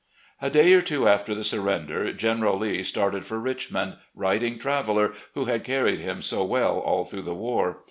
A day or two after the surrender, General Lee started for Richmond, riding Traveller, who had carried him so well all through the war.